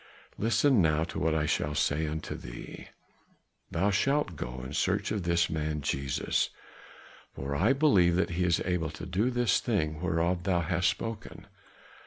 Listen now to what I shall say unto thee: thou shalt go in search of this man Jesus, for I believe that he is able to do this thing whereof thou hast spoken.